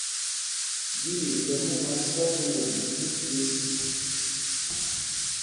Bílîk ɓɛ mú ká sɔ̄s won tí jüés.